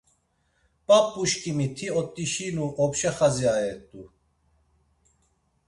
P̌ap̌uşǩimi ti ot̆işinu opşa xaziayert̆u.